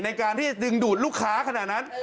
ในการที่จะดึงดูดลูกค้าขนาดนั้น